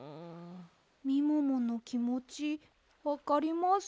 みもものきもちわかります。